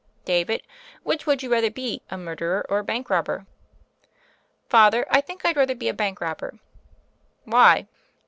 "David, which would you rather be — a murderer or a bank robber?" "Father, I think I'd rather be a bank robber." "Why?"